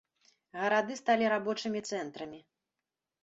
Гарады сталі рабочымі цэнтрамі.